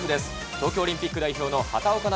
東京オリンピック代表の畑岡奈